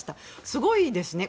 すごいですね。